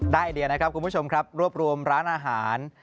ไอเดียนะครับคุณผู้ชมครับรวบรวมร้านอาหาร